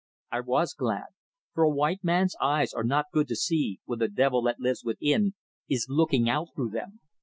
I was glad; for a white man's eyes are not good to see when the devil that lives within is looking out through them."